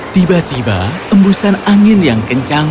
tiba tiba embusan angin yang kencang